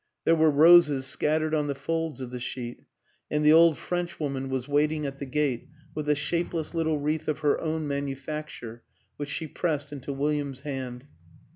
There were roses scattered on the folds of the sheet and the old Frenchwoman was wait ing at the gate with a shapeless little wreath of her own manufacture which she pressed into Wil liam's hand.